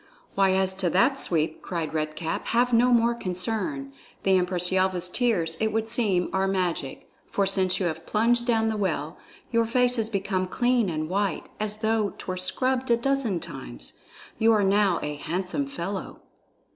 "Why as to that, Sweep," cried Red Cap, "have no more concern. The Empress Yelva's tears, it would seem, are magic, for since you have plunged down the well, your face is become clean and white as though 'twere scrubbed a dozen times. You are now a handsome fellow."